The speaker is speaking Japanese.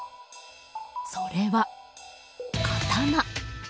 それは、刀。